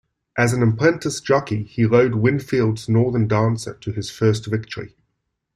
As an apprentice jockey he rode Windfields' Northern Dancer to his first victory.